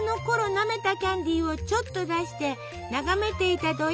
なめたキャンディーをちょっと出して眺めていたどいさん。